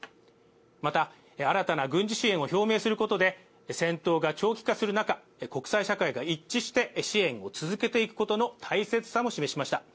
また、新たな軍事支援を表明することで戦闘が長期化する中、国際社会が一致して支援を続けていくことの大切さも示しました。